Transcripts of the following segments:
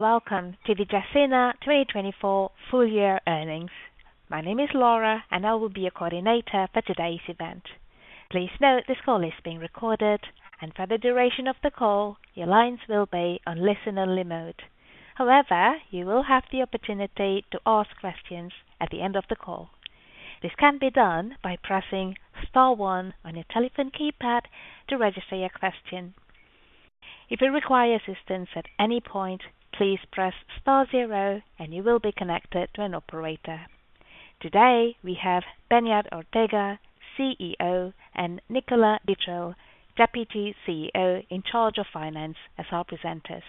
Welcome to the Gecina 2024 full-year earnings. My name is Laura, and I will be your coordinator for today's event. Please note this call is being recorded, and for the duration of the call, your lines will be on listen-only mode. However, you will have the opportunity to ask questions at the end of the call. This can be done by pressing star one on your telephone keypad to register your question. If you require assistance at any point, please press star zero, and you will be connected to an operator. Today, we have Beñat Ortega, CEO, and Nicolas Dutreuil, Deputy CEO in charge of finance, as our presenters.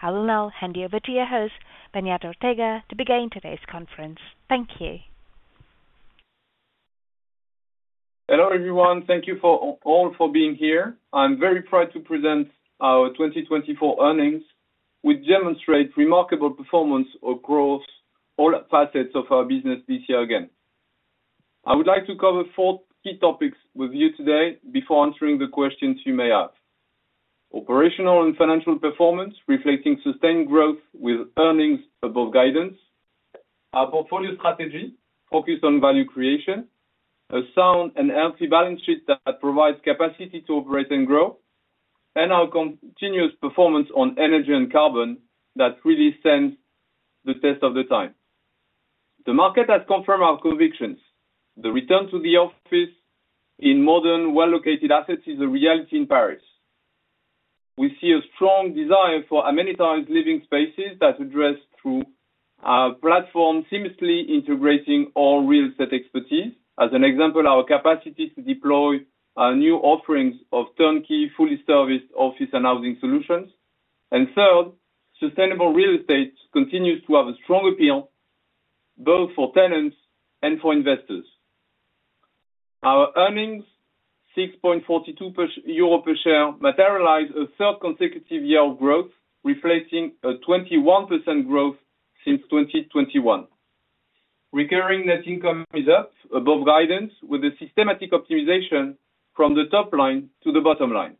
I will now hand you over to your host, Beñat Ortega, to begin today's conference. Thank you. Hello everyone. Thank you all for being here. I'm very proud to present our 2024 earnings, which demonstrate remarkable performance across all facets of our business this year again. I would like to cover four key topics with you today before answering the questions you may have: operational and financial performance reflecting sustained growth with earnings above guidance, our portfolio strategy focused on value creation, a sound and healthy balance sheet that provides capacity to operate and grow, and our continuous performance on energy and carbon that really stands the test of the time. The market has confirmed our convictions. The return to the office in modern, well-located assets is a reality in Paris. We see a strong desire for amenitized living spaces that address through our platform seamlessly integrating all real estate expertise. As an example, our capacity to deploy new offerings of turnkey, fully serviced office and housing solutions. And third, sustainable real estate continues to have a strong appeal both for tenants and for investors. Our earnings, 6.42 euro per share, materialize a third consecutive year of growth, reflecting a 21% growth since 2021. Recurring net income is up above guidance with the systematic optimization from the top line to the bottom line.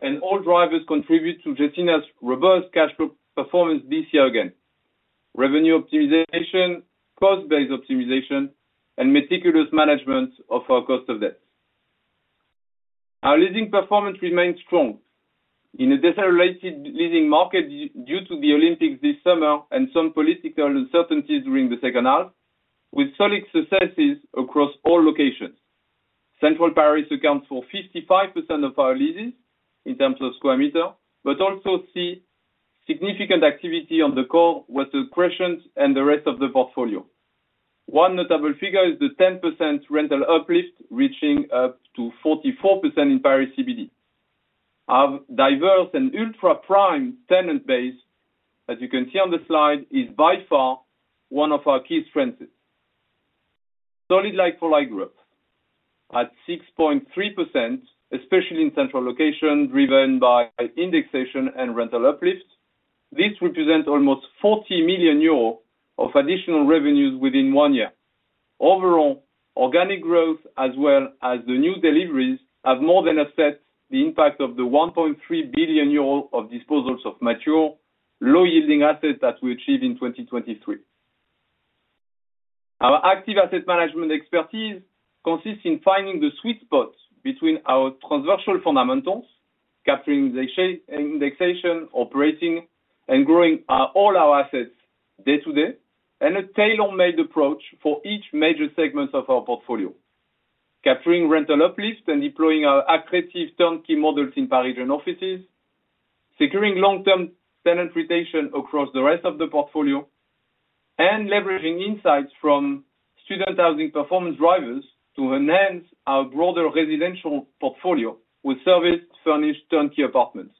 And all drivers contribute to Gecina's robust cash flow performance this year again: revenue optimization, cost based optimization, and meticulous management of our cost of debt. Our leasing performance remains strong in a dislocated leasing market due to the Olympics this summer and some political uncertainties during the second half, with solid successes across all locations. Central Paris accounts for 55% of our leases in terms of square meter, but also see significant activity on the core with the questions and the rest of the portfolio. One notable figure is the 10% rental uplift, reaching up to 44% in Paris CBD. Our diverse and ultra-prime tenant base, as you can see on the slide, is by far one of our key strengths. Solid like-for-like growth at 6.3%, especially in central location, driven by indexation and rental uplift. This represents almost 40 million euros of additional revenues within one year. Overall, organic growth, as well as the new deliveries, have more than assessed the impact of the 1.3 billion euro of disposals of mature, low-yielding assets that we achieved in 2023. Our active asset management expertise consists in finding the sweet spot between our transversal fundamentals, capturing the indexation, operating, and growing all our assets day-to-day, and a tailor-made approach for each major segment of our portfolio, capturing rental uplift and deploying our accurate turnkey models in Parisian offices, securing long-term tenant retention across the rest of the portfolio, and leveraging insights from student housing performance drivers to enhance our broader residential portfolio with service-furnished turnkey apartments.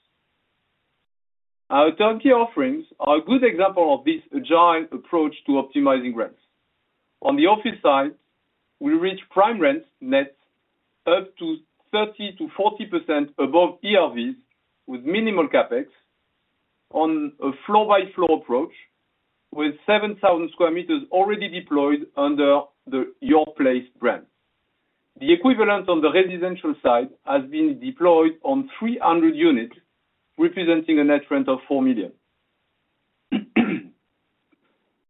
Our turnkey offerings are a good example of this agile approach to optimizing rents. On the office side, we reach prime rents net up to 30%-40% above ERVs with minimal Capex on a floor-by-floor approach, with 7,000 sq m already deployed under the Yourplace brand. The equivalent on the residential side has been deployed on 300 units, representing a net rent of 4 million.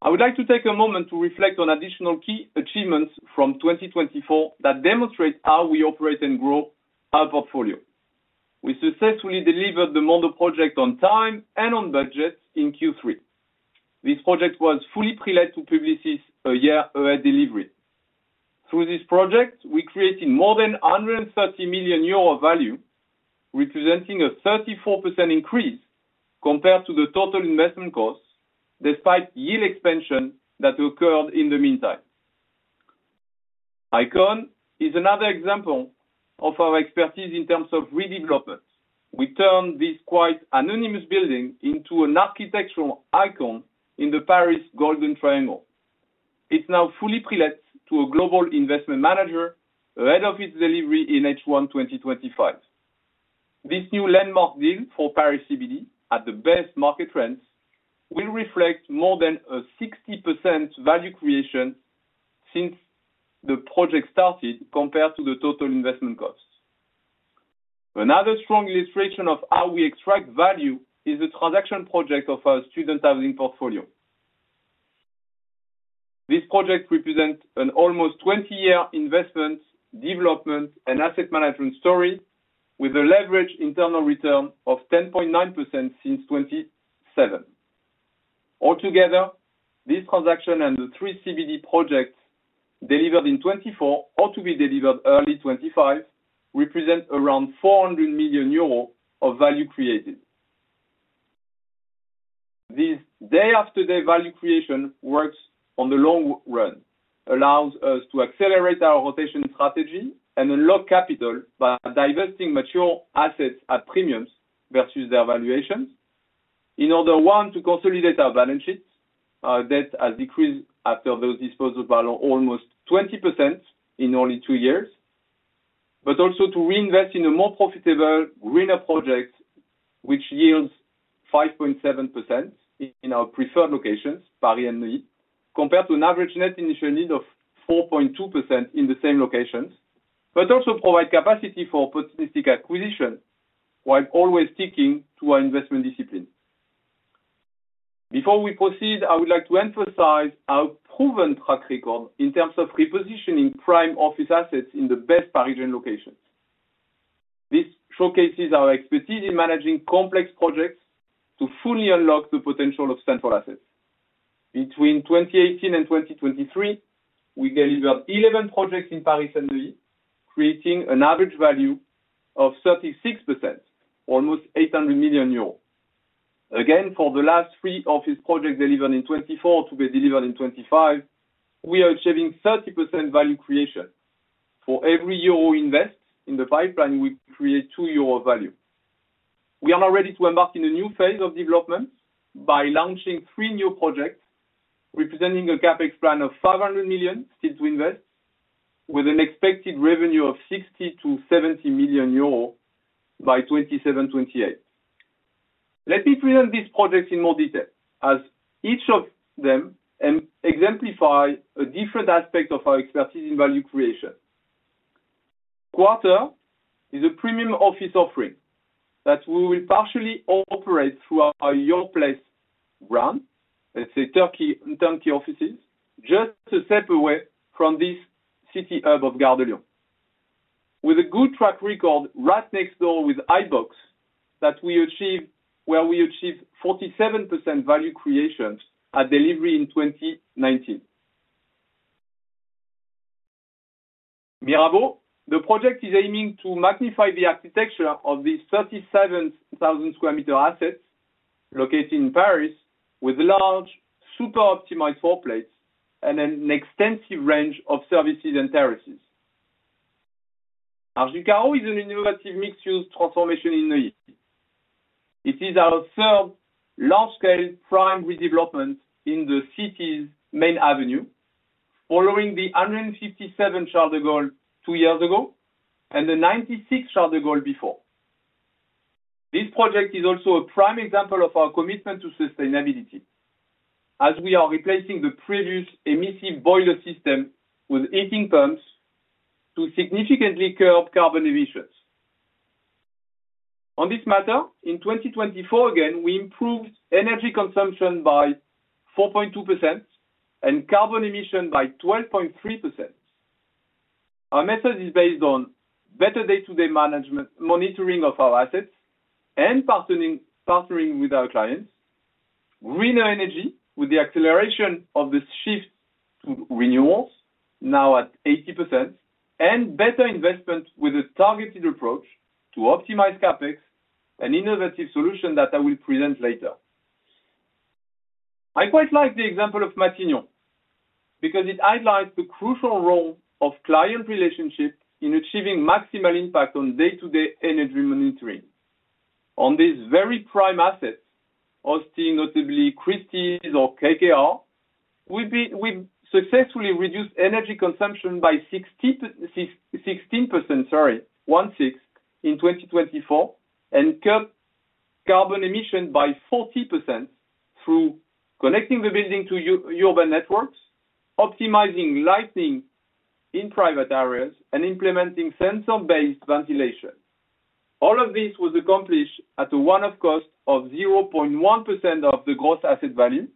I would like to take a moment to reflect on additional key achievements from 2024 that demonstrate how we operate and grow our portfolio. We successfully delivered the Mondo project on time and on budget in Q3. This project was fully pre-let to Publicis a year ahead delivery. Through this project, we created more than 130 million euro of value, representing a 34% increase compared to the total investment cost, despite yield expansion that occurred in the meantime. ICON is another example of our expertise in terms of redevelopment. We turned this quite anonymous building into an architectural icon in the Paris Golden Triangle. It's now fully pre-let to a global investment manager ahead of its delivery in H1 2025. This new landmark deal for Paris CBD at the best market rents will reflect more than a 60% value creation since the project started compared to the total investment cost. Another strong illustration of how we extract value is the transaction project of our student housing portfolio. This project represents an almost 20-year investment development and asset management story with a leveraged internal return of 10.9% since 2007. Altogether, this transaction and the three CBD projects delivered in 2024 or to be delivered early 2025 represent around 400 million euros of value created. This day-to-day value creation works in the long run, allows us to accelerate our rotation strategy and unlock capital by divesting mature assets at premiums versus their valuations. In order, one, to consolidate our balance sheets, our debt has decreased after those disposals by almost 20% in only two years, but also to reinvest in a more profitable greener project, which yields 5.7% in our preferred locations, Paris and Neuilly, compared to an average net initial yield of 4.2% in the same locations, but also provide capacity for opportunistic acquisition while always sticking to our investment discipline. Before we proceed, I would like to emphasize our proven track record in terms of repositioning prime office assets in the best Parisian locations. This showcases our expertise in managing complex projects to fully unlock the potential of central assets. Between 2018 and 2023, we delivered 11 projects in Paris and Neuilly, creating an average value of 36%, almost 800 million euros. Again, for the last three office projects delivered in 2024 to be delivered in 2025, we are achieving 30% value creation. For every euro invested in the pipeline, we create 2 euro of value. We are now ready to embark on a new phase of development by launching three new projects representing a Capex plan of 500 million still to invest, with an expected revenue of 60-70 million euros by 2027-2028. Let me present these projects in more detail, as each of them exemplifies a different aspect of our expertise in value creation. Gamma is a premium office offering that we will partially operate through our Yourplace brand, let's say, turnkey offices, just a step away from this city hub of Gare de Lyon. With a good track record right next door with IBOX that we achieved 47% value creation at delivery in 2019. Mirabeau, the project is aiming to magnify the architecture of these 37,000 sq m assets located in Paris with large super-optimized floor plates and an extensive range of services and terraces. Carré is an innovative mixed-use transformation in Neuilly. It is our third large-scale prime redevelopment in the city's main avenue, following the 157 Charles de Gaulle two years ago and the 96 Charles de Gaulle before. This project is also a prime example of our commitment to sustainability, as we are replacing the previous emissive boiler system with heat pumps to significantly curb carbon emissions. On this matter, in 2024, again, we improved energy consumption by 4.2% and carbon emission by 12.3%. Our method is based on better day-to-day monitoring of our assets and partnering with our clients, greener energy with the acceleration of the shift to renewals now at 80%, and better investment with a targeted approach to optimize Capex, an innovative solution that I will present later. I quite like the example of Matignon because it highlights the crucial role of client relationships in achieving maximal impact on day-to-day energy monitoring. On these very prime assets, hosting notably Christie's or KKR, we successfully reduced energy consumption by 16%, sorry, one-sixth in 2024, and curbed carbon emission by 40% through connecting the building to urban networks, optimizing lighting in private areas, and implementing sensor-based ventilation. All of this was accomplished at a one-off cost of 0.1% of the Gross Asset Value,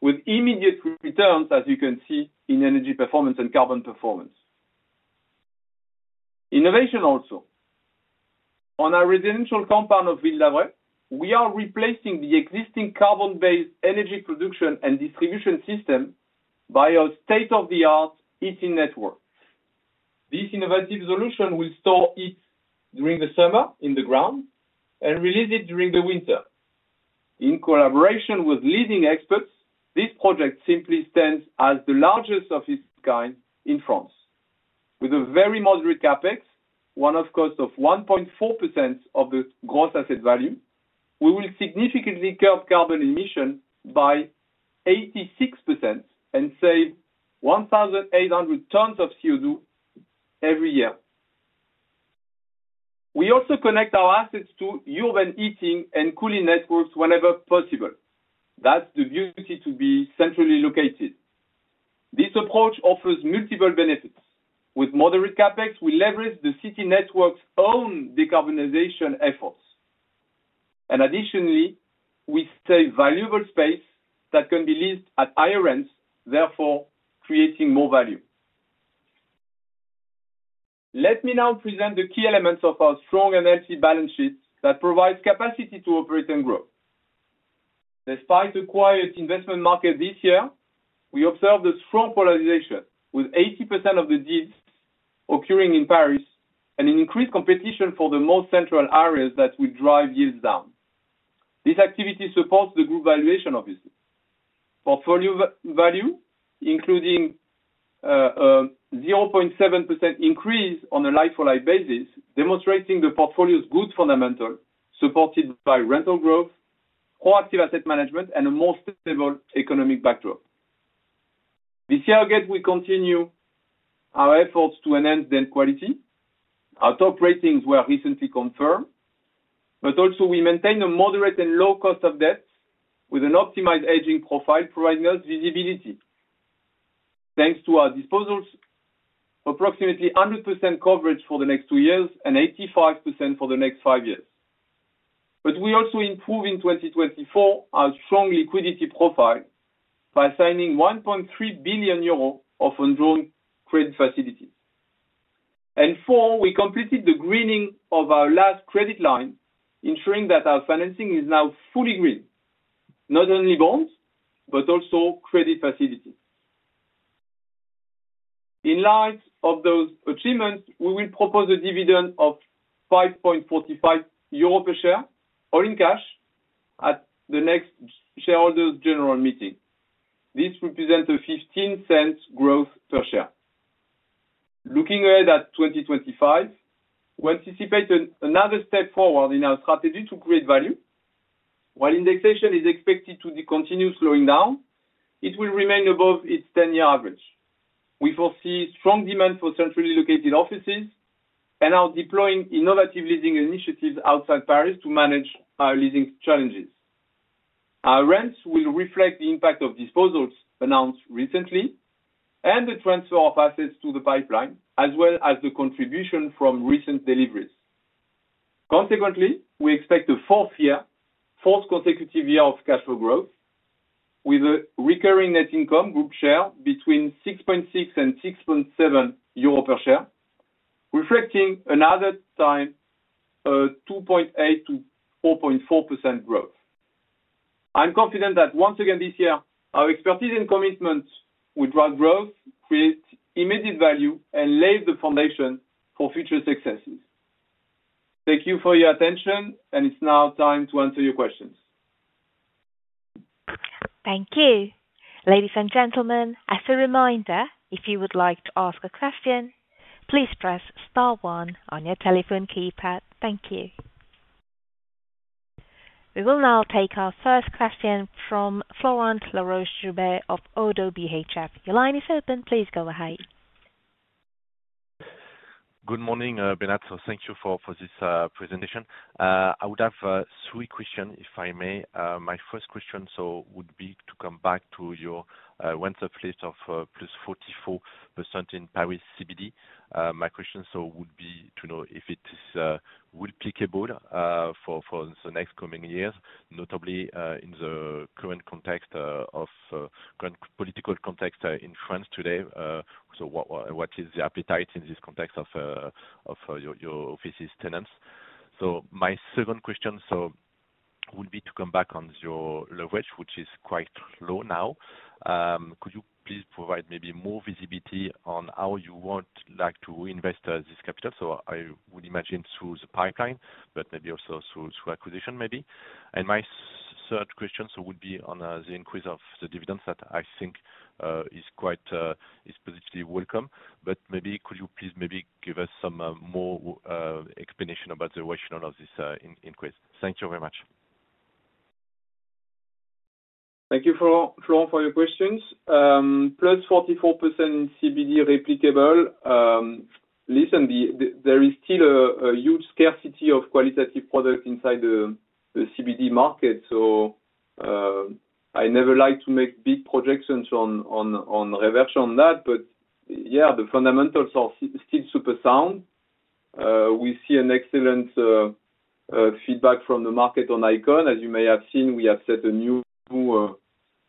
with immediate returns, as you can see, in energy performance and carbon performance. Innovation also. On our residential compound of Ville d'Avray, we are replacing the existing carbon-based energy production and distribution system by a state-of-the-art heating network. This innovative solution will store heat during the summer in the ground and release it during the winter. In collaboration with leading experts, this project simply stands as the largest of its kind in France. With a very moderate CapEx, one-off cost of 1.4% of the gross asset value, we will significantly curb carbon emission by 86% and save 1,800 tons of CO2 every year. We also connect our assets to urban heating and cooling networks whenever possible. That's the beauty to be centrally located. This approach offers multiple benefits. With moderate CapEx, we leverage the city network's own decarbonization efforts. And additionally, we save valuable space that can be leased at higher rents, therefore creating more value. Let me now present the key elements of our strong and healthy balance sheet that provides capacity to operate and grow. Despite a quiet investment market this year, we observe the strong polarization, with 80% of the deals occurring in Paris and an increased competition for the most central areas that would drive yields down. This activity supports the group valuation, obviously. Portfolio value, including a 0.7% increase on a Like-for-Like basis, demonstrating the portfolio's good fundamentals supported by rental growth, proactive asset management, and a more stable economic backdrop. This year again, we continue our efforts to enhance debt quality. Our top ratings were recently confirmed, but also we maintain a moderate and low cost of debt with an optimized maturity profile providing us visibility. Thanks to our disposals, approximately 100% coverage for the next two years and 85% for the next five years. We also improved in 2024 our strong liquidity profile by signing 1.3 billion euro of undrawn credit facilities. And four, we completed the greening of our last credit line, ensuring that our financing is now fully green, not only bonds, but also credit facilities. In light of those achievements, we will propose a dividend of 5.45 euro per share or in cash at the next shareholders' general meeting. This represents a 0.15 growth per share. Looking ahead at 2025, we anticipate another step forward in our strategy to create value. While indexation is expected to continue slowing down, it will remain above its 10-year average. We foresee strong demand for centrally located offices and are deploying innovative leasing initiatives outside Paris to manage our leasing challenges. Our rents will reflect the impact of disposals announced recently and the transfer of assets to the pipeline, as well as the contribution from recent deliveries. Consequently, we expect a fourth year, fourth consecutive year of cash flow growth, with a recurring net income group share between 6.6 and 6.7 euro per share, reflecting another time of 2.8% to 4.4% growth. I'm confident that once again this year, our expertise and commitment will drive growth, create immediate value, and lay the foundation for future successes. Thank you for your attention, and it's now time to answer your questions. Thank you. Ladies and gentlemen, as a reminder, if you would like to ask a question, please press star one on your telephone keypad. Thank you. We will now take our first question from Florent Laroche-Joubert of ODDO BHF. Your line is open. Please go ahead. Good morning, Beñat. Thank you for this presentation. I would have three questions, if I may. My first question would be to come back to your rental rates of plus 44% in Paris CBD. My question would be to know if it is applicable for the next coming years, notably in the current political context in France today. What is the appetite in this context of your office tenants? My second question would be to come back on your leverage, which is quite low now. Could you please provide maybe more visibility on how you would like to reinvest this capital? I would imagine through the pipeline, but maybe also through acquisition, maybe. And my third question would be on the increase of the dividends that I think is quite positively welcome. But maybe could you please maybe give us some more explanation about the rationale of this increase? Thank you very much. Thank you, Florent, for your questions. Plus 44% CBD replicable. Listen, there is still a huge scarcity of qualitative product inside the CBD market. So I never like to make big projections on reverse on that, but yeah, the fundamentals are still super sound. We see an excellent feedback from the market on ICON.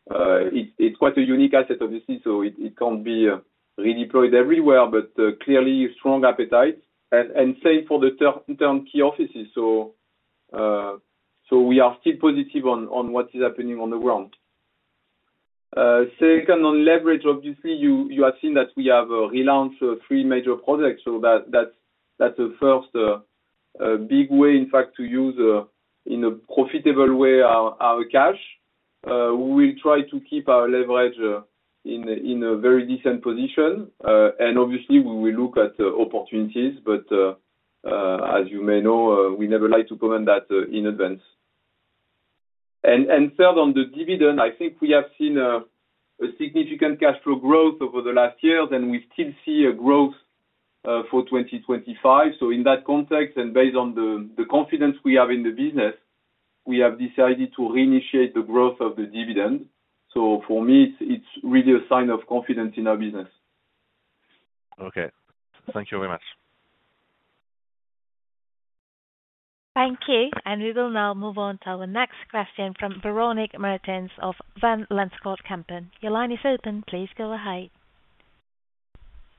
As you may have seen, we have set a new it's quite a unique asset, obviously, so it can't be redeployed everywhere, but clearly strong appetite. And same for the turnkey offices. So we are still positive on what is happening on the ground. Second, on leverage, obviously, you have seen that we have relaunched three major projects. So that's a first big way, in fact, to use in a profitable way our cash. We will try to keep our leverage in a very decent position. And obviously, we will look at opportunities, but as you may know, we never like to comment that in advance. And third, on the dividend, I think we have seen a significant cash flow growth over the last years, and we still see a growth for 2025. So in that context, and based on the confidence we have in the business, we have decided to reinitiate the growth of the dividend. So for me, it's really a sign of confidence in our business. Okay. Thank you very much. Thank you. And we will now move on to our next question from Véronique Meertens of Van Lanschot Kempen. Your line is open. Please go ahead.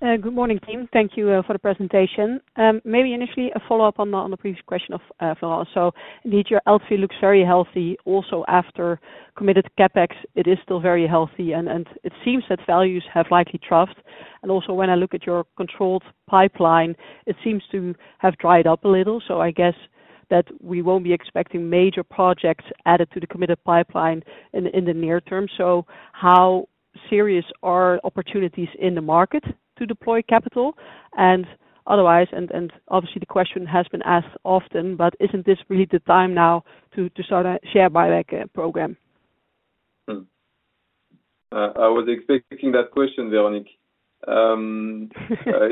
Good morning, team. Thank you for the presentation. Maybe initially a follow-up on the previous question of Florent. So indeed, your LTV looks very healthy. Also, after committed CapEx, it is still very healthy, and it seems that values have likely troughed. And also, when I look at your controlled pipeline, it seems to have dried up a little. So I guess that we won't be expecting major projects added to the committed pipeline in the near term. So how serious are opportunities in the market to deploy capital? And obviously, the question has been asked often, but isn't this really the time now to start a share buyback program? I was expecting that question, Véronique.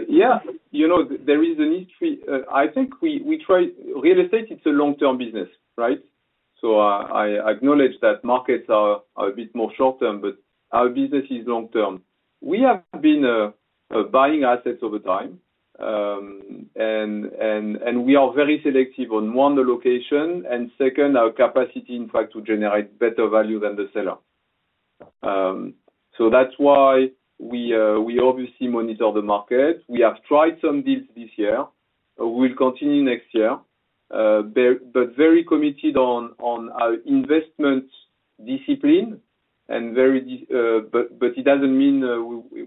Yeah, there is a need to be I think we try real estate; it's a long-term business, right? So I acknowledge that markets are a bit more short-term, but our business is long-term. We have been buying assets over time, and we are very selective on, one, the location, and second, our capacity, in fact, to generate better value than the seller. So that's why we obviously monitor the market. We have tried some deals this year. We will continue next year, but very committed on our investment discipline. But it doesn't mean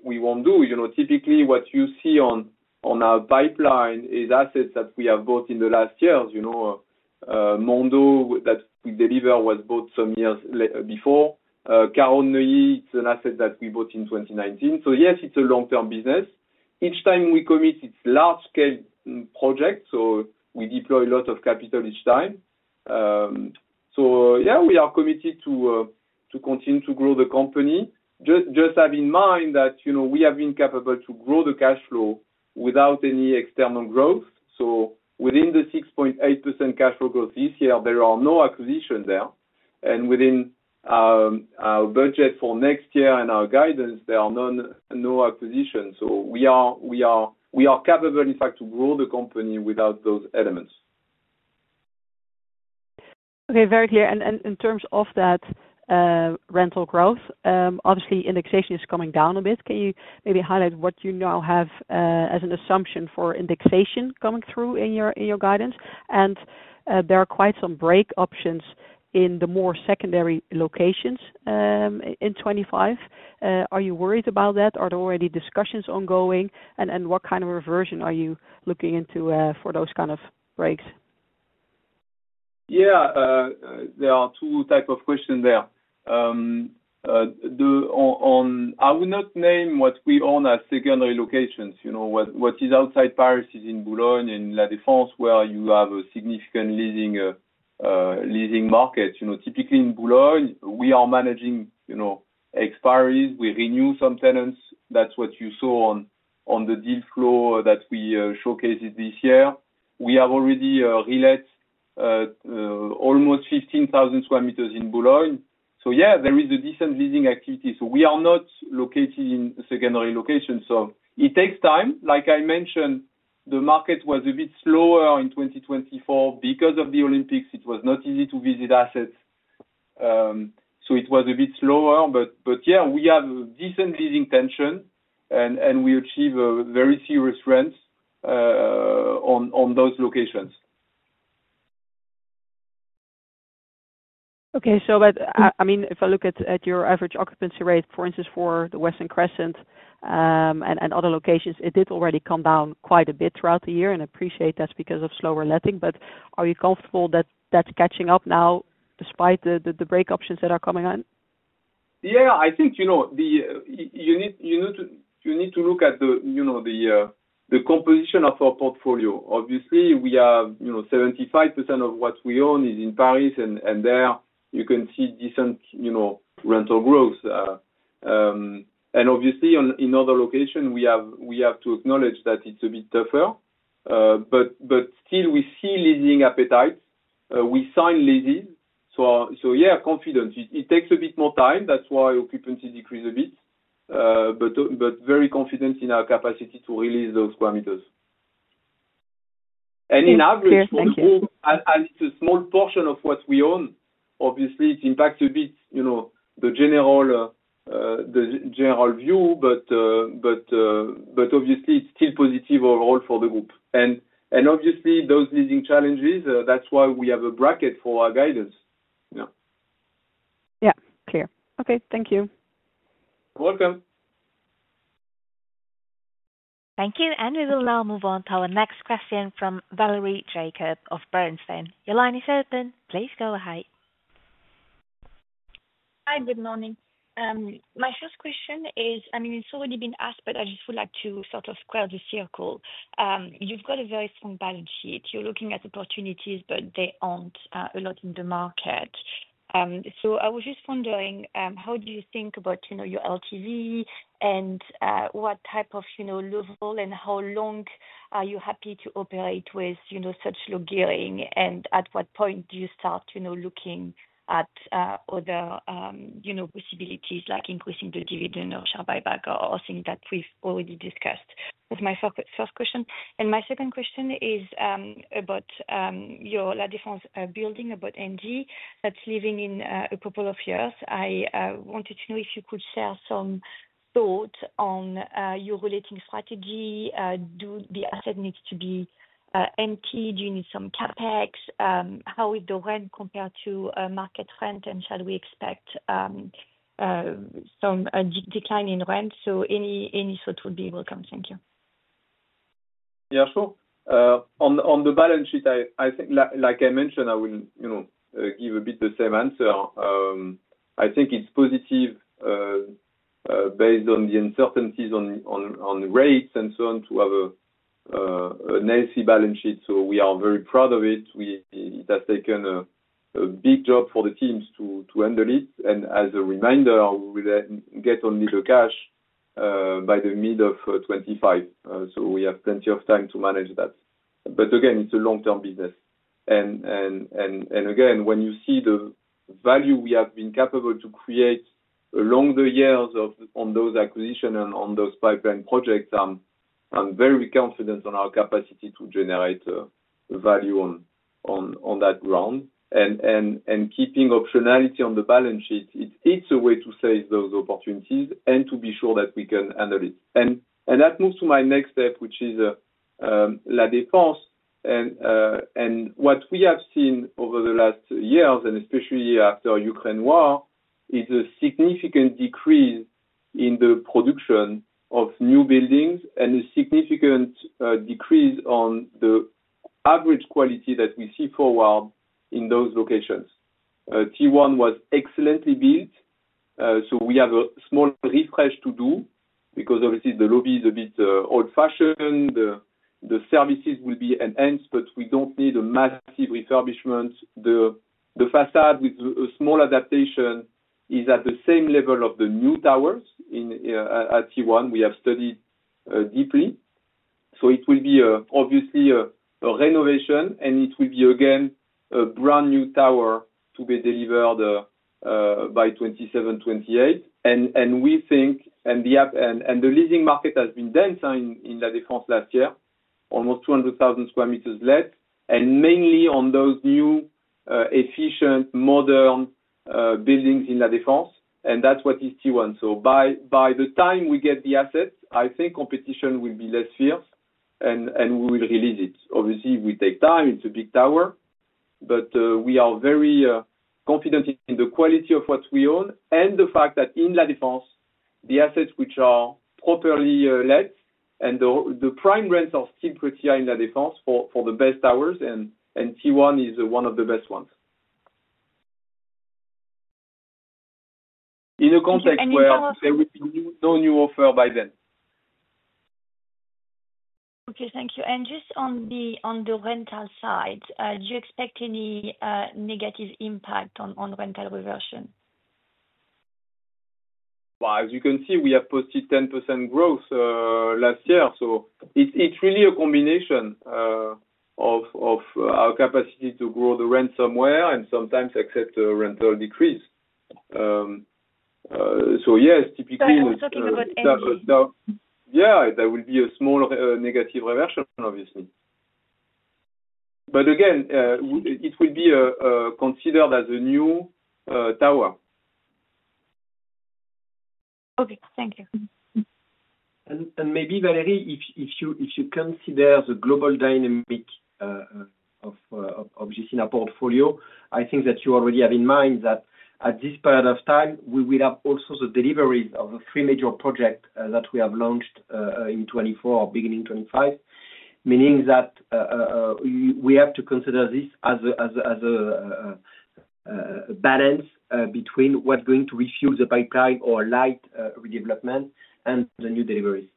we won't do. Typically, what you see on our pipeline is assets that we have bought in the last years. Mondo that we deliver was bought some years before. Carré Neuilly, it's an asset that we bought in 2019. So yes, it's a long-term business. Each time we commit, it's large-scale projects. So we deploy a lot of capital each time. So yeah, we are committed to continue to grow the company. Just have in mind that we have been capable to grow the cash flow without any external growth. So within the 6.8% cash flow growth this year, there are no acquisitions there. And within our budget for next year and our guidance, there are no acquisitions. So we are capable, in fact, to grow the company without those elements. Okay, very clear. And in terms of that rental growth, obviously, indexation is coming down a bit. Can you maybe highlight what you now have as an assumption for indexation coming through in your guidance? And there are quite some break options in the more secondary locations in 2025. Are you worried about that? Are there already discussions ongoing? And what kind of reversion are you looking into for those kind of breaks? Yeah, there are two types of questions there. I will not name what we own as secondary locations. What is outside Paris is in Boulogne and La Défense, where you have a significant leasing market. Typically, in Boulogne, we are managing expiries. We renew some tenants. That's what you saw on the deal flow that we showcased this year. We have already relit almost 15,000 square meters in Boulogne. So yeah, there is a decent leasing activity. So we are not located in secondary locations. So it takes time. Like I mentioned, the market was a bit slower in 2024 because of the Olympics. It was not easy to visit assets. So it was a bit slower. But yeah, we have decent leasing tension, and we achieve very serious rents on those locations. Okay, so I mean, if I look at your average occupancy rate, for instance, for the Western Crescent and other locations, it did already come down quite a bit throughout the year, and I appreciate that's because of slower letting? But are you comfortable that that's catching up now despite the break options that are coming in? Yeah, I think you need to look at the composition of our portfolio. Obviously, we have 75% of what we own is in Paris, and there you can see decent rental growth. And obviously, in other locations, we have to acknowledge that it's a bit tougher. But still, we see leasing appetite. We sign leases. So yeah, confident. It takes a bit more time. That's why occupancy decreased a bit. But very confident in our capacity to release those square meters. And in average, and it's a small portion of what we own. Obviously, it impacts a bit the general view, but obviously, it's still positive overall for the group. And obviously, those leasing challenges, that's why we have a bracket for our guidance. Yeah. Yeah, clear. Okay, thank you. You're welcome. Thank you, and we will now move on to our next question from Valerie Jacob of Bernstein. Your line is open. Please go ahead. Hi, good morning. My first question is, I mean, it's already been asked, but I just would like to sort of square the circle. You've got a very strong balance sheet. You're looking at opportunities, but they aren't a lot in the market. So I was just wondering, how do you think about your LTV and what type of level and how long are you happy to operate with such low gearing? And at what point do you start looking at other possibilities like increasing the dividend or share buyback or things that we've already discussed? That's my first question. And my second question is about your La Défense building, about Engie that's leaving in a couple of years. I wanted to know if you could share some thoughts on your leasing strategy. Do the asset needs to be empty? Do you need some capex? How is the rent compared to market rent? And shall we expect some decline in rent? So any thoughts would be welcome. Thank you. Yeah, sure. On the balance sheet, I think, like I mentioned, I will give a bit the same answer. I think it's positive based on the uncertainties on rates and so on to have a healthy balance sheet. So we are very proud of it. It has taken a big job for the teams to handle it. And as a reminder, we will get only the cash by the mid of 2025. So we have plenty of time to manage that. But again, it's a long-term business. Again, when you see the value we have been capable to create along the years on those acquisitions and on those pipeline projects, I'm very confident on our capacity to generate value on that ground. Keeping optionality on the balance sheet, it's a way to save those opportunities and to be sure that we can handle it. That moves to my next step, which is La Défense. What we have seen over the last years, and especially after the Ukraine war, is a significant decrease in the production of new buildings and a significant decrease on the average quality that we see forward in those locations. T1 was excellently built. We have a small refresh to do because obviously, the lobby is a bit old-fashioned. The services will be enhanced, but we don't need a massive refurbishment. The facade with a small adaptation is at the same level of the new towers at T1. We have studied deeply so it will be obviously a renovation, and it will be again a brand new tower to be delivered by 2027, 2028, and we think, and the leasing market has been dense in La Défense last year, almost 200,000 sq m let, and mainly on those new, efficient, modern buildings in La Défense, and that's what is T1, so by the time we get the assets, I think competition will be less fierce, and we will lease it. Obviously, it will take time. It's a big tower. But we are very confident in the quality of what we own and the fact that in La Défense, the assets which are properly let, and the prime rents are still pretty high in La Défense for the best towers, and T1 is one of the best ones. In a context where there will be no new offer by then. Okay, thank you. And just on the rental side, do you expect any negative impact on rental reversion? Well, as you can see, we have posted 10% growth last year. So it's really a combination of our capacity to grow the rent somewhere and sometimes accept a rental decrease. So yes, typically, yeah, there will be a small negative reversion, obviously. But again, it will be considered as a new tower. | Okay, thank you. And maybe, Valerie, if you consider the global dynamic of just in our portfolio, I think that you already have in mind that at this period of time, we will have also the deliveries of the three major projects that we have launched in 2024 or beginning 2025, meaning that we have to consider this as a balance between what's going to refuel the pipeline or light redevelopment and the new deliveries.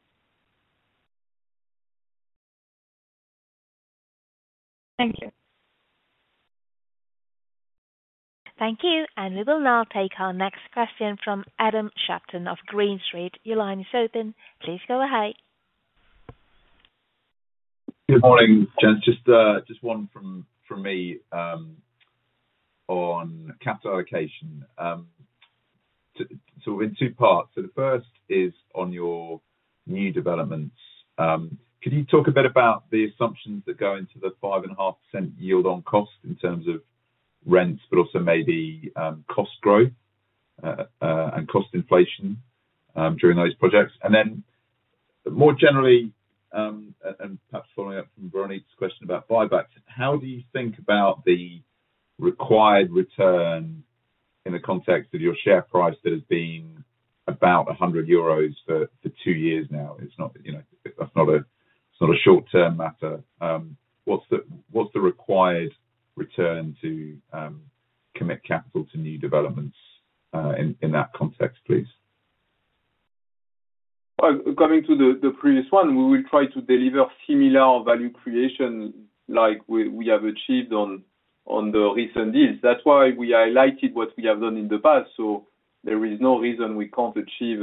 Thank you. Thank you. And we will now take our next question from Adam Shapton of Green Street. Your line is open. Please go ahead. Good morning, Ben. Just one from me on capital allocation. So in two parts. So the first is on your new developments. Could you talk a bit about the assumptions that go into the 5.5% yield on cost in terms of rents, but also maybe cost growth and cost inflation during those projects? Then more generally, and perhaps following up from Véronique's question about buybacks, how do you think about the required return in the context of your share price that has been about 100 euros for two years now? It's not a short-term matter. What's the required return to commit capital to new developments in that context, please? Coming to the previous one, we will try to deliver similar value creation like we have achieved on the recent deals. That's why we highlighted what we have done in the past. So there is no reason we can't achieve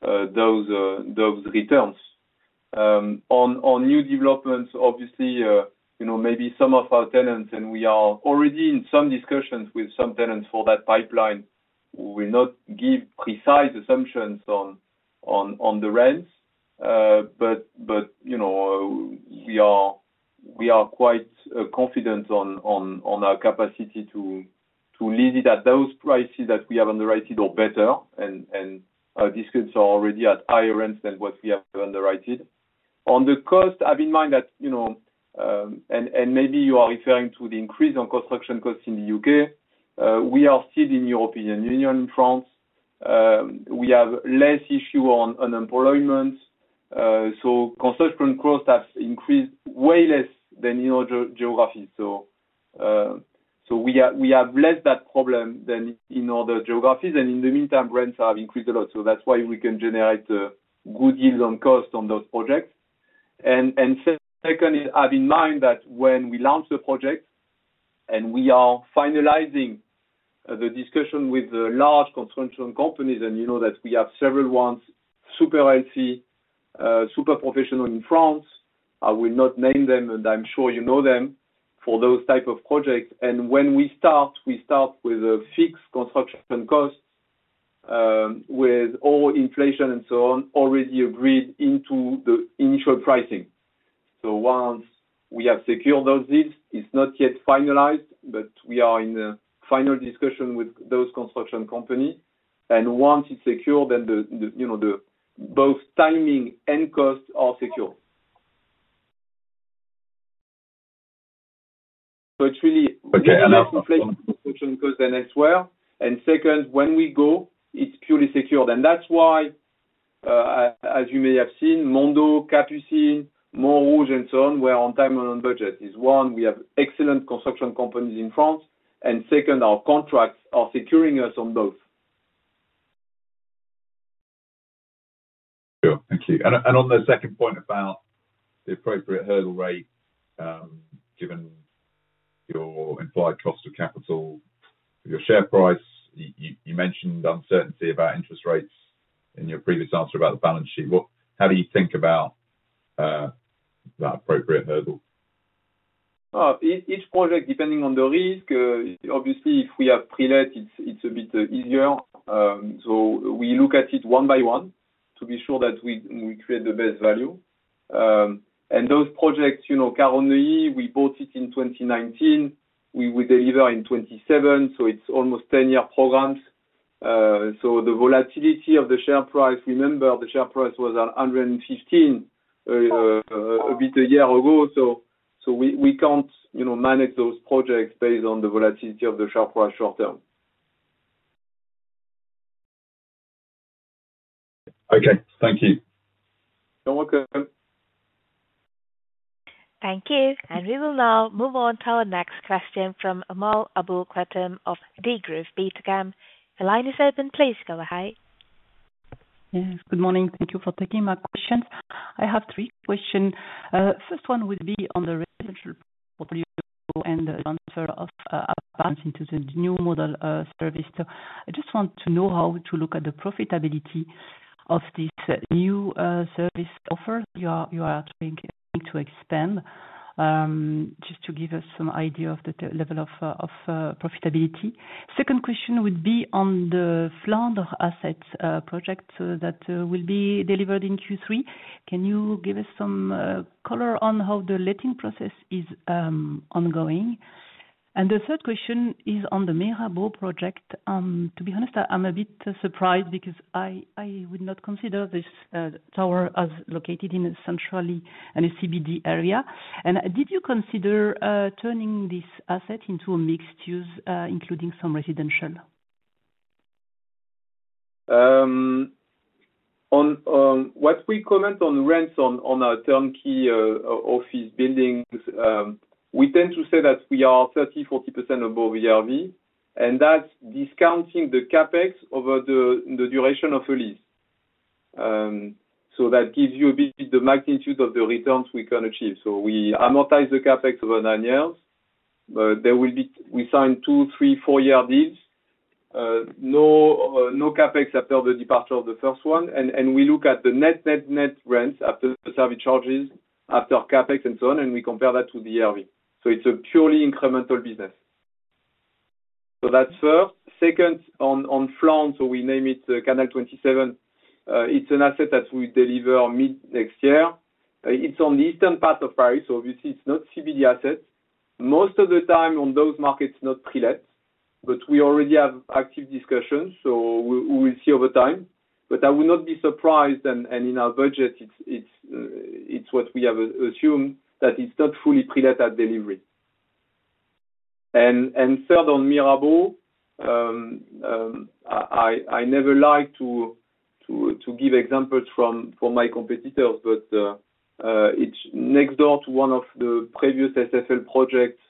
those returns. On new developments, obviously, maybe some of our tenants, and we are already in some discussions with some tenants for that pipeline. We will not give precise assumptions on the rents, but we are quite confident on our capacity to lease it at those prices that we have underwritten or better. Our discussions are already at higher rents than what we have underwritten. On the cost, I have in mind that, and maybe you are referring to the increase in construction costs in the UK. We are still in the European Union, in France. We have less issue on unemployment. So construction costs have increased way less than in other geographies. So we have less that problem than in other geographies. And in the meantime, rents have increased a lot. So that's why we can generate good yield on cost on those projects. And second, I have in mind that when we launch the project and we are finalizing the discussion with the large construction companies, and you know that we have several ones, super healthy, super professional in France. I will not name them, and I'm sure you know them for those types of projects. When we start, we start with a fixed construction cost with all inflation and so on already agreed into the initial pricing. So once we have secured those deals, it's not yet finalized, but we are in the final discussion with those construction companies. And once it's secured, then both timing and cost are secured. So it's really less inflation and construction cost than elsewhere. And second, when we go, it's purely secured. And that's why, as you may have seen, Mondo, Capucines, Montrouge, and so on, we're on time and on budget. It's one, we have excellent construction companies in France, and second, our contracts are securing us on both. Sure. Thank you. And on the second point about the appropriate hurdle rate, given your implied cost of capital, your share price, you mentioned uncertainty about interest rates in your previous answer about the balance sheet. How do you think about that appropriate hurdle? Each project, depending on the risk, obviously, if we have pre-let, it's a bit easier. So we look at it one by one to be sure that we create the best value. And those projects, currently, we bought it in 2019. We will deliver in 2027. So it's almost 10-year programs. So the volatility of the share price, remember, the share price was 115 a bit over a year ago. So we can't manage those projects based on the volatility of the share price short term. Okay. Thank you. You're welcome. Thank you. And we will now move on to our next question from Amal Aboulkhouatem of Degroof Petercam. The line is open. Please go ahead. Yes. Good morning. Thank you for taking my questions. I have three questions. First one would be on the residential portfolio and the transfer of Avance into the new model service. So I just want to know how to look at the profitability of this new service offer you are trying to expand, just to give us some idea of the level of profitability. Second question would be on the Flandre asset project that will be delivered in Q3. Can you give us some color on how the letting process is ongoing? And the third question is on the Mirabeau project. To be honest, I'm a bit surprised because I would not consider this tower as located centrally in a CBD area. And did you consider turning this asset into a mixed use, including some residential? When we comment on rents on our turnkey office buildings, we tend to say that we are 30%-40% above ERV, and that's discounting the Capex over the duration of a lease. So that gives you a bit the magnitude of the returns we can achieve. So we amortize the Capex over nine years. We sign two-, three-, four-year deals, no Capex after the departure of the first one. And we look at the net, net, net rents after service charges, after Capex, and so on, and we compare that to the ERV. So it's a purely incremental business. So that's first. Second, on Flandre, so we name it Canal 27, it's an asset that we deliver mid next year. It's on the eastern part of Paris. So obviously, it's not CBD assets. Most of the time on those markets, not pre-let, but we already have active discussions. So we will see over time. But I would not be surprised. And in our budget, it's what we have assumed that it's not fully pre-let at delivery. And third, on Mirabeau, I never like to give examples from my competitors, but it's next door to one of the previous SFL projects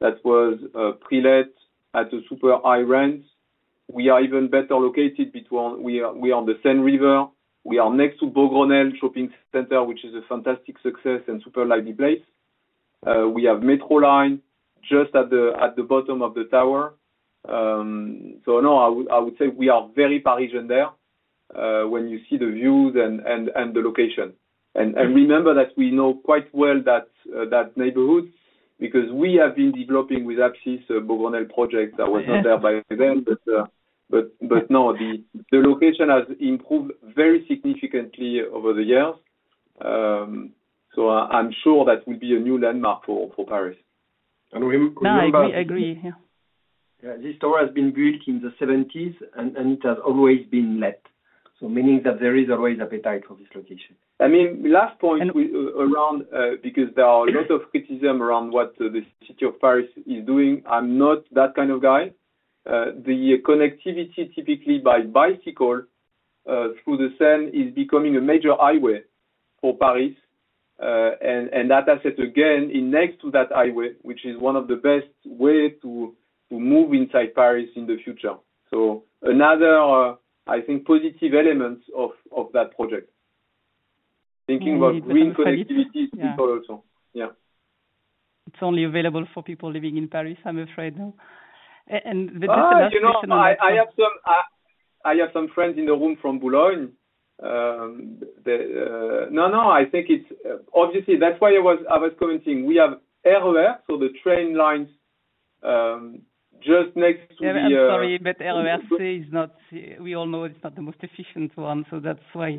that was pre-let at a super high rent. We are even better located. We are on the Seine River. We are next to Beaugrenelle Shopping Center, which is a fantastic success and super lively place. We have métro line just at the bottom of the tower. So no, I would say we are very Parisian there when you see the views and the location. And remember that we know quite well that neighborhood because we have been developing with Apsys Beaugrenelle project. I was not there by then, but no, the location has improved very significantly over the years. So I'm sure that will be a new landmark for Paris. And we remember. I agree. Yeah. This tower has been built in the '70s, and it has always been let, so meaning that there is always appetite for this location. I mean, last point around, because there are a lot of criticisms around what the city of Paris is doing, I'm not that kind of guy. The connectivity typically by bicycle through the Seine is becoming a major highway for Paris. And that asset, again, is next to that highway, which is one of the best ways to move inside Paris in the future. So another, I think, positive element of that project. Thinking about green connectivity people also. Yeah. It's only available for people living in Paris, I'm afraid. And the destination of. I have some friends in the room from Boulogne. No, no, I think it's obvious that's why I was commenting. We have RER, so the train lines just next to the. Sorry, but RER is not, we all know it's not the most efficient one. So that's why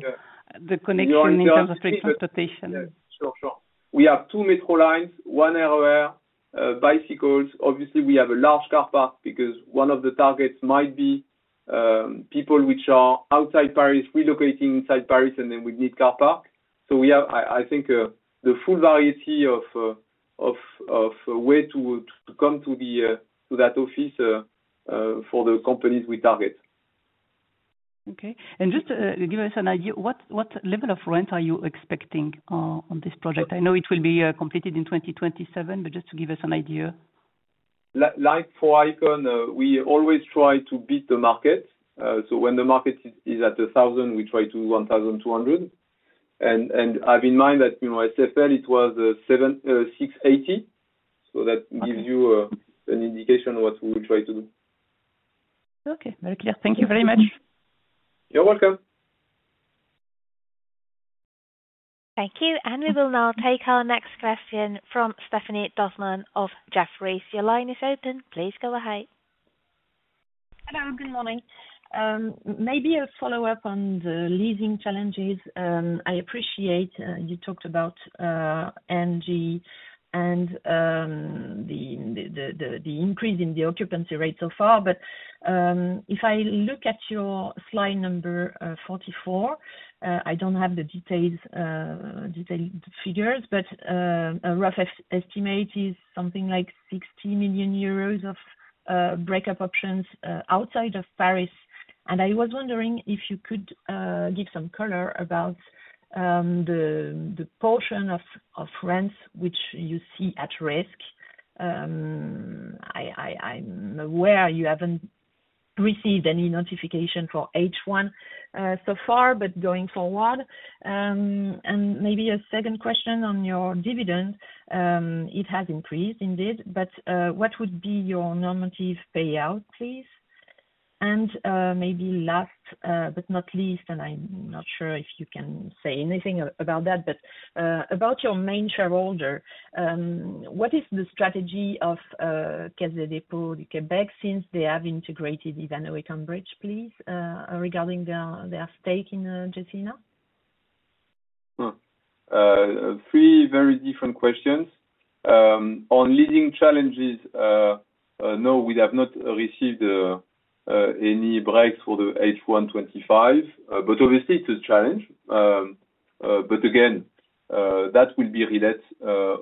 the connection in terms of transportation. Sure, sure. We have two metro lines, one RER, bicycles. Obviously, we have a large car park because one of the targets might be people which are outside Paris relocating inside Paris, and then we need car park. So I think the full variety of way to come to that office for the companies we target. Okay. And just to give us an idea, what level of rent are you expecting on this project? I know it will be completed in 2027, but just to give us an idea. Like for Icon, we always try to beat the market. So when the market is at 1,000, we try to do 1,200. And I have in mind that SFL, it was 680. So that gives you an indication of what we will try to do. Okay. Very clear. Thank you very much. You're welcome. Thank you. And we will now take our next question from Stéphanie Dossmann of Jefferies. Your line is open. Please go ahead. Hello. Good morning. Maybe a follow-up on the leasing challenges. I appreciate you talked about NG and the increase in the occupancy rate so far. But if I look at your slide number 44, I don't have the detailed figures, but a rough estimate is something like 60 million euros of breakup options outside of Paris. And I was wondering if you could give some color about the portion of rents which you see at risk. I'm aware you haven't received any notification for H1 so far, but going forward and maybe a second question on your dividend. It has increased, indeed, but what would be your normative payout, please? Maybe last but not least, and I'm not sure if you can say anything about that, but about your main shareholder, what is the strategy of Caisse de dépôt et placement du Québec since they have integrated Ivanhoé Cambridge, please, regarding their stake in Gecina? Three very different questions. On leasing challenges, no, we have not received any breaks for the H1 2025, but obviously, it's a challenge, but again, that will be re-let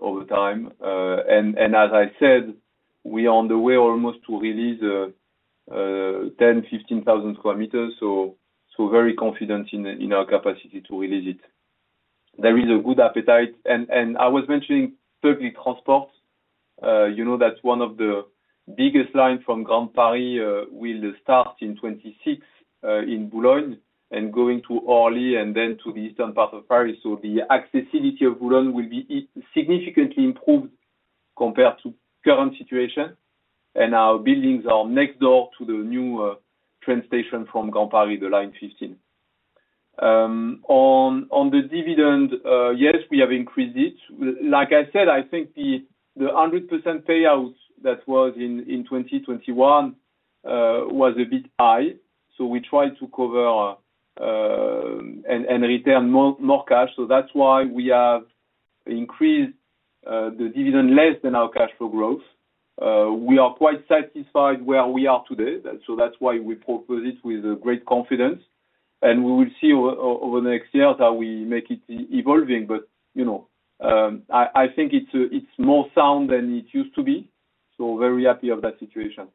over time. And as I said, we are on the way almost to re-lease 10,000-15,000 sq m, very confident in our capacity to re-lease it. There is a good appetite, and I was mentioning public transport. You know that one of the biggest lines from Grand Paris will start in 2026 in Boulogne and going to Orly and then to the eastern part of Paris, so the accessibility of Boulogne will be significantly improved compared to the current situation, and our buildings are next door to the new train station from Grand Paris, the line 15. On the dividend, yes, we have increased it. Like I said, I think the 100% payout that was in 2021 was a bit high, so we tried to cover and return more cash, so that's why we have increased the dividend less than our cash flow growth. We are quite satisfied where we are today, so that's why we propose it with great confidence, and we will see over the next years how we make it evolving, but I think it's more sound than it used to be. So very happy about that situation.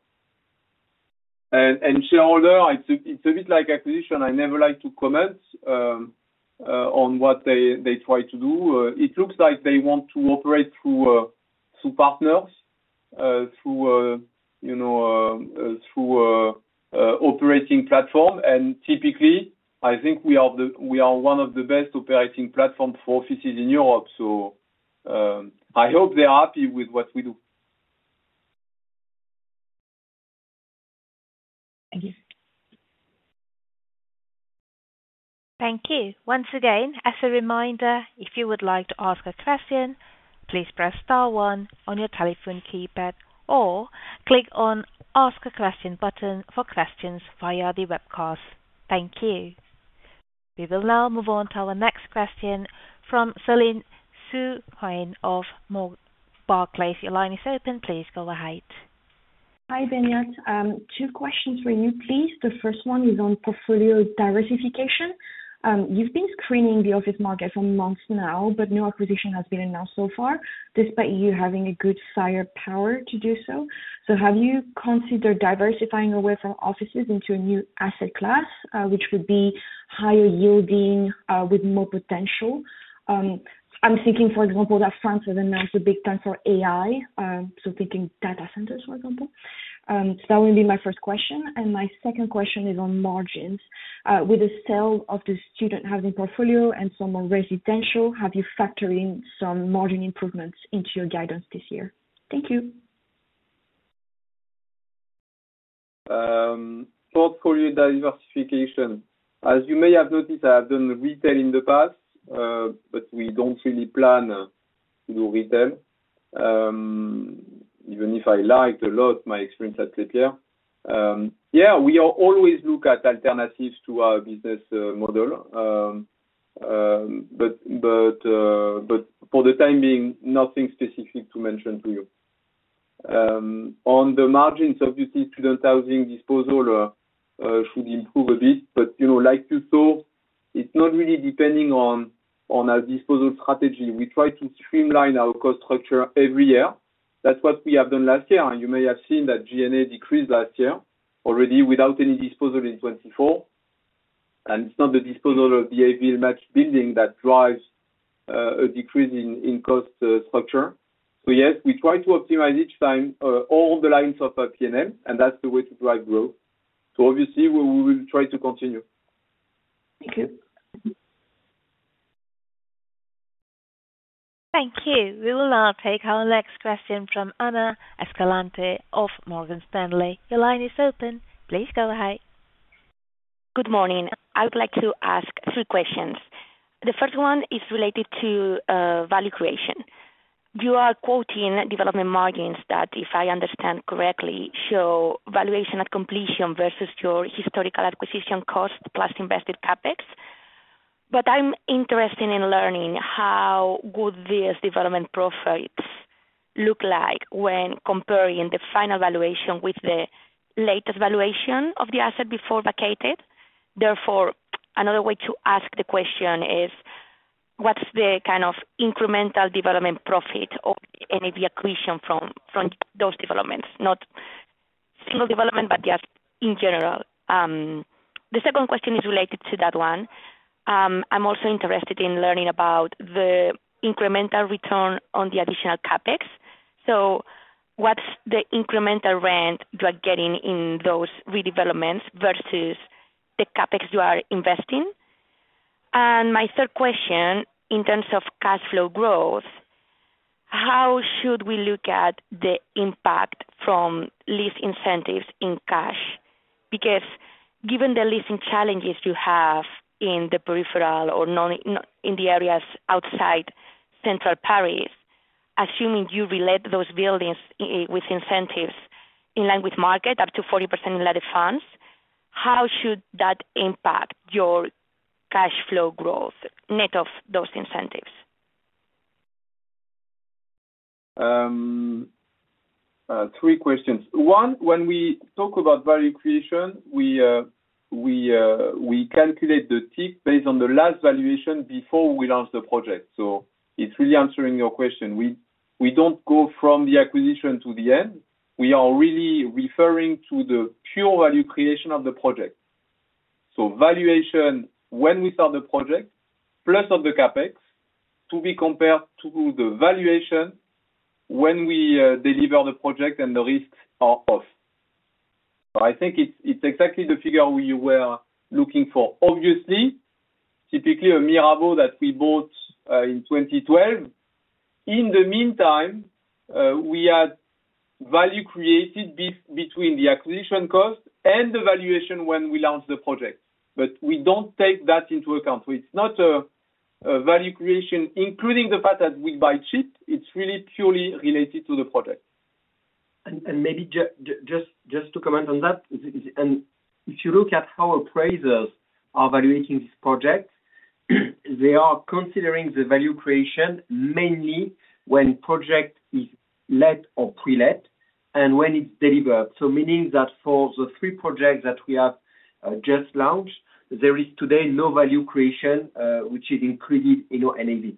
And shareholder, it's a bit like acquisition. I never like to comment on what they try to do. It looks like they want to operate through partners, through operating platform. And typically, I think we are one of the best operating platforms for offices in Europe. So I hope they're happy with what we do. Thank you. Thank you. Once again, as a reminder, if you would like to ask a question, please press star one on your telephone keypad or click on the ask a question button for questions via the webcast. Thank you. We will now move on to our next question from Céline Huynh of Barclays. Your line is open. Please go ahead. Hi, Beñat. Two questions for you, please. The first one is on portfolio diversification. You've been screening the office market for months now, but no acquisition has been announced so far, despite you having a good firepower to do so. So have you considered diversifying away from offices into a new asset class, which would be higher yielding with more potential? I'm thinking, for example, that France has announced a big time for AI, so thinking data centers, for example. So that would be my first question. And my second question is on margins. With the sale of the student housing portfolio and some more residential, have you factored in some margin improvements into your guidance this year? Thank you. Portfolio diversification. As you may have noticed, I have done retail in the past, but we don't really plan to do retail, even if I liked a lot my experience at Klépierre. Yeah, we always look at alternatives to our business model. But for the time being, nothing specific to mention to you. On the margins, obviously, student housing disposal should improve a bit. But like you saw, it's not really depending on our disposal strategy. We try to streamline our cost structure every year. That's what we have done last year. You may have seen that G&A decreased last year already without any disposal in 2024. And it's not the disposal of the LVMH building that drives a decrease in cost structure. So yes, we try to optimize each time all the lines of P&L, and that's the way to drive growth. So obviously, we will try to continue. Thank you. Thank you. We will now take our next question from Ana Escalante of Morgan Stanley. Your line is open. Please go ahead. Good morning. I would like to ask three questions. The first one is related to value creation. You are quoting development margins that, if I understand correctly, show valuation at completion versus your historical acquisition cost plus invested CapEx. But I'm interested in learning how would this development profit look like when comparing the final valuation with the latest valuation of the asset before vacated? Therefore, another way to ask the question is, what's the kind of incremental development profit or any reacquisition from those developments, not single development, but just in general? The second question is related to that one. I'm also interested in learning about the incremental return on the additional CapEx. So what's the incremental rent you are getting in those redevelopments versus the CapEx you are investing? And my third question, in terms of cash flow growth, how should we look at the impact from lease incentives in cash? Because given the leasing challenges you have in the peripheral or in the areas outside central Paris, assuming you relate those buildings with incentives in line with market up to 40% in letter funds, how should that impact your cash flow growth net of those incentives? Three questions. One, when we talk about value creation, we calculate the TIC based on the last valuation before we launch the project. So it's really answering your question. We don't go from the acquisition to the end. We are really referring to the pure value creation of the project. So valuation when we start the project plus of the Capex to be compared to the valuation when we deliver the project and the risks are off. So I think it's exactly the figure we were looking for. Obviously, typically a Mirabeau that we bought in 2012. In the meantime, we had value created between the acquisition cost and the valuation when we launched the project. But we don't take that into account. So it's not a value creation, including the fact that we buy cheap. It's really purely related to the project. And maybe just to comment on that, if you look at how appraisers are evaluating this project, they are considering the value creation mainly when the project is let or pre-let and when it's delivered. So meaning that for the three projects that we have just launched, there is today no value creation which is included in any of these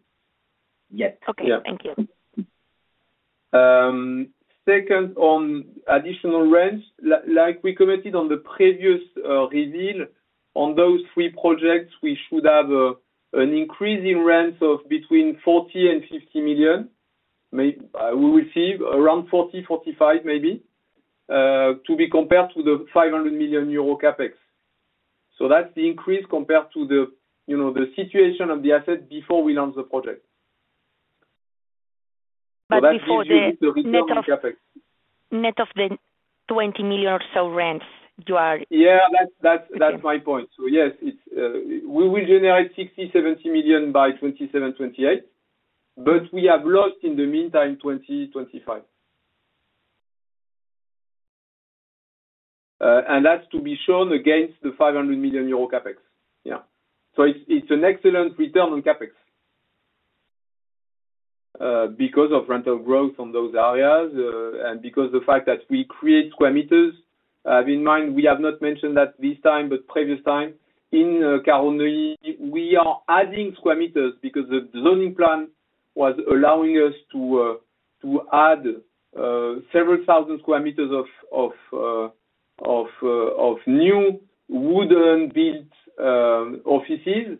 yet. Okay. Thank you. Second, on additional rent, like we commented on the previous call, on those three projects, we should have an increase in rent of between 40 million and 50 million. We will see around 40-45 maybe, to be compared to the 500 million euro CapEx. So that's the increase compared to the situation of the asset before we launch the project. So that's the increase in the risk of CapEx. Net of the 20 million or so rent, you are? Yeah, that's my point. So yes, we will generate 60-70 million by 2027-2028, but we have lost in the meantime 20-25. And that's to be shown against the 500 million euro CapEx. Yeah. So it's an excellent return on CapEx because of rental growth on those areas and because of the fact that we create square meters. I have in mind, we have not mentioned that this time, but previous time. In Carré, we are adding square meters because the zoning plan was allowing us to add several thousand square meters of new wooden-built offices.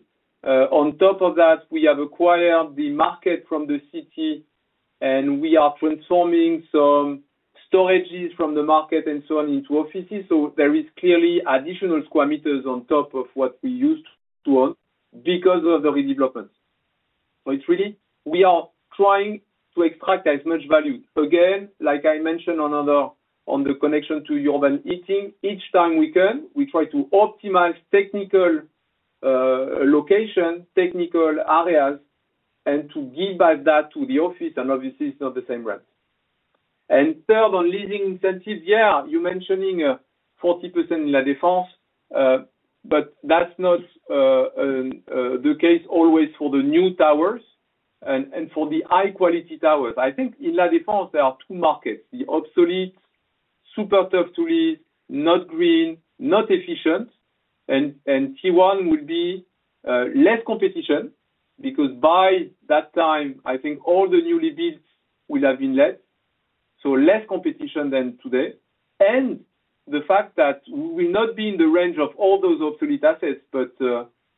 On top of that, we have acquired the market from the city, and we are transforming some storages from the market and so on into offices. So there is clearly additional square meters on top of what we used to own because of the redevelopment. So it's really we are trying to extract as much value. Again, like I mentioned on the connection to urban heating, each time we can, we try to optimize technical locations, technical areas, and to give back that to the office. And obviously, it's not the same rent. And third, on leasing incentives, yeah, you're mentioning 40% in La Défense, but that's not the case always for the new towers and for the high-quality towers. I think in La Défense, there are two markets: the obsolete, super tough to lease, not green, not efficient. T1 will be less competition because by that time, I think all the newly built will have been less. So less competition than today. The fact that we will not be in the range of all those obsolete assets, but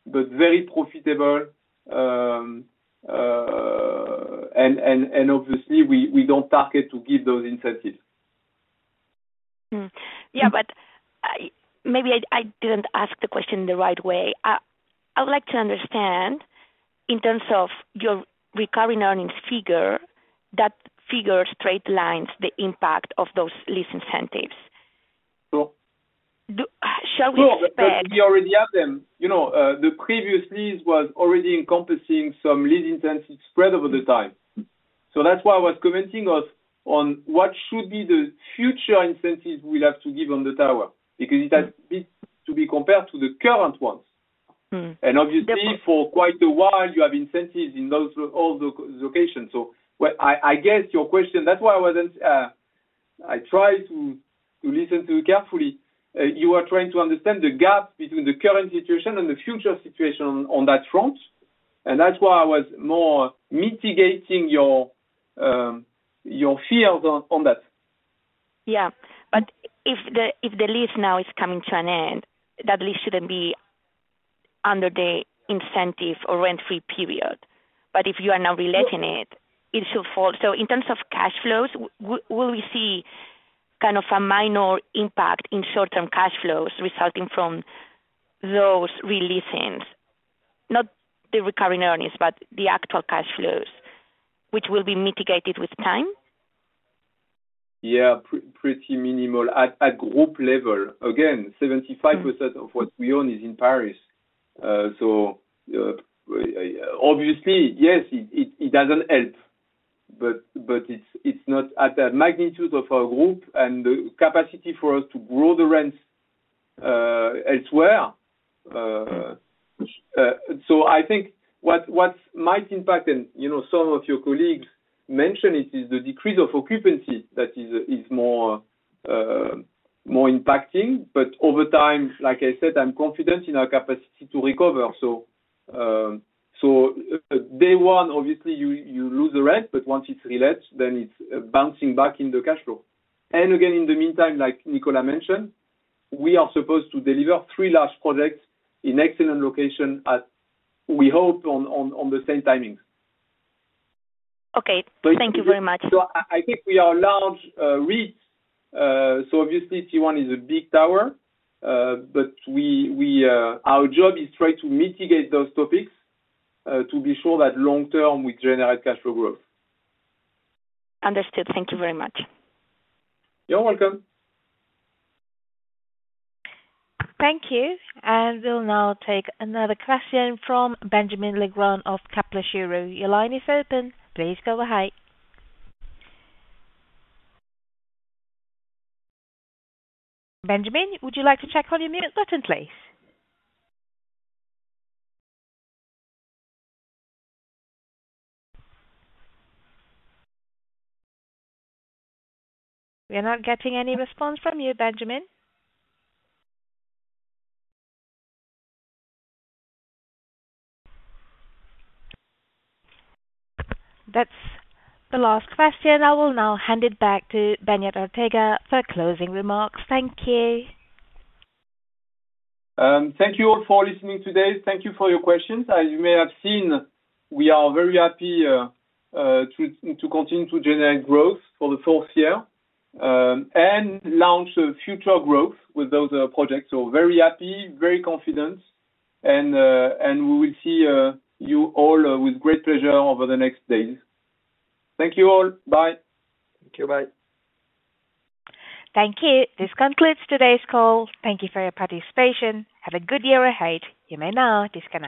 very profitable. Obviously, we don't target to give those incentives. Yeah, but maybe I didn't ask the question the right way. I would like to understand in terms of your recurring earnings figure, that figure straight-lines the impact of those lease incentives. So shall we expect? We already have them. The previous lease was already encompassing some lease incentives spread over the time. So that's why I was commenting on what should be the future incentives we have to give on the tower because it has to be compared to the current ones. Obviously, for quite a while, you have incentives in all the locations. I guess your question, that's why I tried to listen to you carefully. You were trying to understand the gap between the current situation and the future situation on that front. That's why I was more mitigating your fears on that. Yeah. If the lease now is coming to an end, that lease shouldn't be under the incentive or rent-free period. If you are now relating it, it should fall. In terms of cash flows, will we see kind of a minor impact in short-term cash flows resulting from those releasings, not the recurring earnings, but the actual cash flows, which will be mitigated with time? Yeah, pretty minimal at group level. Again, 75% of what we own is in Paris. So obviously, yes, it doesn't help, but it's not at the magnitude of our group and the capacity for us to grow the rents elsewhere. So I think what might impact, and some of your colleagues mentioned it, is the decrease of occupancy that is more impacting. But over time, like I said, I'm confident in our capacity to recover. So day one, obviously, you lose the rent, but once it's relet, then it's bouncing back in the cash flow. And again, in the meantime, like Nicolas mentioned, we are supposed to deliver three large projects in excellent location at, we hope, on the same timings. Okay. Thank you very much. So I think we are all reached. So obviously, T1 is a big tower, but our job is to try to mitigate those topics to be sure that long-term, we generate cash flow growth. Understood. Thank you very much. You're welcome. Thank you. And we'll now take another question from Benjamin Legrand of Kepler Cheuvreux. Your line is open. Please go ahead. Benjamin, would you like to check on your mute button, please? We are not getting any response from you, Benjamin. That's the last question. I will now hand it back to Beñat Ortega for closing remarks. Thank you. Thank you all for listening today. Thank you for your questions. As you may have seen, we are very happy to continue to generate growth for the fourth year and launch future growth with those projects. So very happy, very confident, and we will see you all with great pleasure over the next days. Thank you all. Bye. Thank you. Bye. Thank you. This concludes today's call. Thank you for your participation. Have a good year ahead. You may now disconnect.